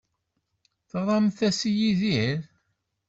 Teɣram-as i Yidir?